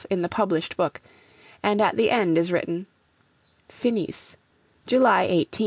in the published book and at the end is written Finis, July 18, 1816.